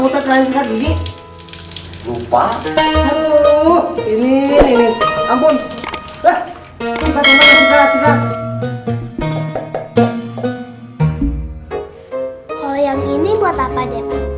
kalo yang ini buat apa deva